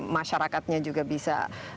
masyarakatnya juga bisa